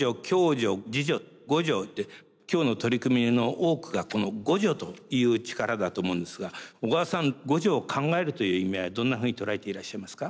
今日の取り組みの多くがこの互助という力だと思うんですが小川さん互助を考えるという意味合いどんなふうに捉えていらっしゃいますか。